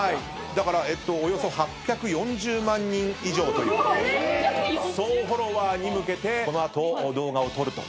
だからおよそ８４０万人以上という総フォロワーに向けてこの後動画を撮るということに。